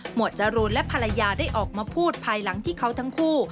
วดจรูนและภรรยาได้ออกมาพูดภายหลังที่เขาทั้งคู่